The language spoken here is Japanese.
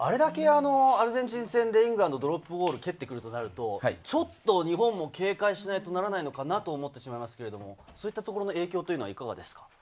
アルゼンチン戦であれだけドロップゴールを蹴ってくるとなると、ちょっと日本も警戒しないとならないのかなと思ってしまいますけれど、そういったところの影響はどうでしょうか？